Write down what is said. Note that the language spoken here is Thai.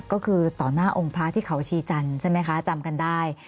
ก็คือต่อหน้าองค์พระที่เขาชีจันทร์ใช่ไหมคะจำกันได้